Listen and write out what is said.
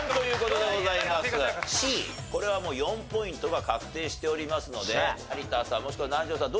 Ｃこれはもう４ポイントが確定しておりますので有田さんもしくは南條さん